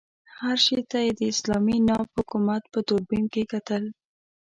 هر شي ته یې د اسلامي ناب حکومت په دوربین کې کتل.